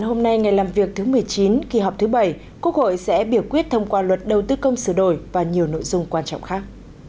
hôm nay ngày làm việc thứ một mươi chín kỳ họp thứ bảy quốc hội sẽ biểu quyết thông qua luật đầu tư công sửa đổi và nhiều nội dung quan trọng khác